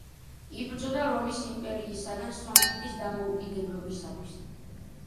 იბრძოდა რომის იმპერიისაგან სომხეთის დამოუკიდებლობისათვის.